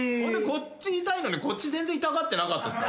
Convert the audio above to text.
こっち痛いのにこっち全然痛がってなかったですから。